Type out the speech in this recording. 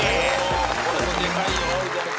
・これもでかいよ。